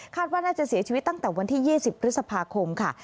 ว่าน่าจะเสียชีวิตตั้งแต่วันที่๒๐พฤษภาคมค่ะ